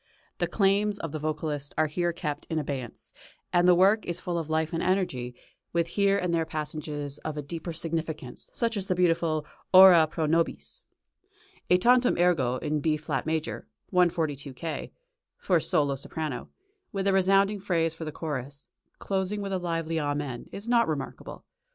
The claims of the vocalist are here kept in abeyance, and the work is full of life and energy, with here and there passages of a deeper significance, such as the beautiful "Ora pro nobis." {SMALLER SACRED PIECES.} (277) A "Tantum ergo" in B flat major (142 K.), for soprano solo, with a responding phrase for the chorus, closing with a lively Amen, is not remarkable.